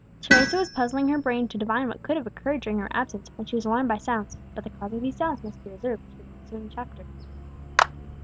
Teresa was puzzling her brain to divine what could have occurred during her absence, when she was alarmed by sounds, but the cause of these sounds must be reserved for the ensuing chapter.